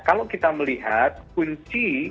kalau kita melihat kunci